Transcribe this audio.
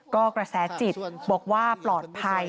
ก็กระแสจิตบอกว่าปลอดภัย